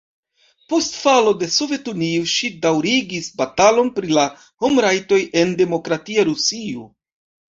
Post falo de Sovetunio ŝi daŭrigis batalon pri la homrajtoj en demokratia Rusio.